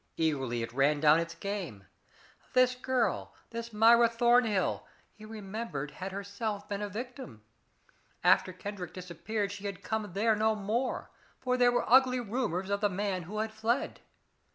Eagerly it ran down its game. This girl this Myra Thornhill he remembered, had herself been a victim. After Kendrick disappeared she had come there no more, for there were ugly rumors of the man who had fled.